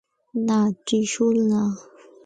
না, ত্রিশূল না।